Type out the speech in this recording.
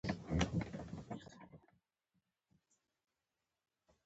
زه چې ورغلم؛ د احمد رنګ والوت.